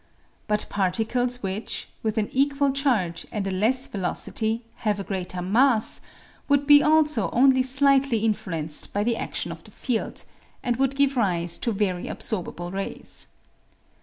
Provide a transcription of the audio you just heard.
But particles which, with an equal charge and a less velocity, have a greater mass, would be also only slightly influenced by the adtion of the field, and would give rise to very absorbable rays.